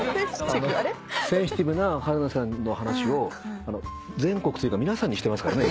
センシティブな春菜さんの話を全国というか皆さんにしてますからね